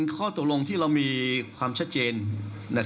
คุณหมอชนหน้าเนี่ยคุณหมอชนหน้าเนี่ย